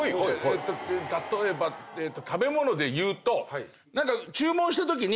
例えば食べ物でいうと注文したときに。